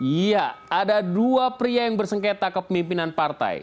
iya ada dua pria yang bersengketa ke pemimpinan partai